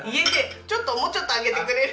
ちょっともうちょっと上げてくれる？